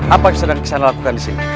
apa yang sedang kisana lakukan disini